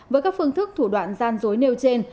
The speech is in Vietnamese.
với các phương thức thủ đoạn gian dối nêu trên